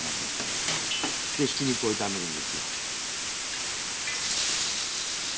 でひき肉を炒めるんですよ。